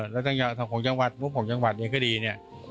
แล้วทางของจังหวัดมุมของจังหวัดอย่างค่อยดี